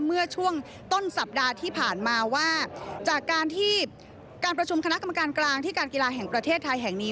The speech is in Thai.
เมื่อช่วงต้นสัปดาห์ที่ผ่านมาว่าจากการที่การประชุมคณะกรรมการกลางที่การกีฬาแห่งประเทศไทยแห่งนี้